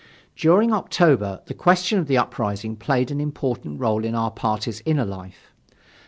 During October the question of the uprising played an important role in our party's inner life.